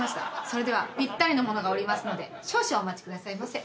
それではぴったりの者がおりますので少々お待ちくださいませ。